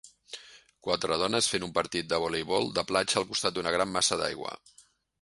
Quatre dones fent un partit de voleibol de platja al costat d'una gran massa d'aigua.